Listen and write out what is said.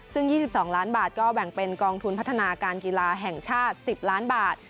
ซึ่ง๒๒ล้านบาทก็แบ่งเป็นกองทุนพัฒนาการกีฬาแห่งชาติ๑๐ล้านบาท